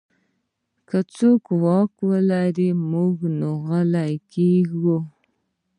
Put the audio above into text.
که څوک واک ولري، موږ غلی کېږو.